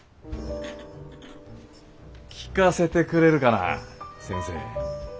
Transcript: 聞かせてくれるかな先生。